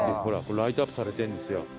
ライトアップされてるんですよ。